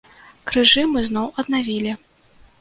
Крыжы мы зноў аднавілі.